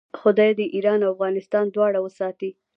خدای دې ایران او افغانستان دواړه وساتي.